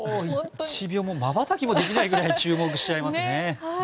１秒も瞬きもできないぐらい注目しちゃいますね。